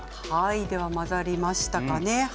混ざりましたかね。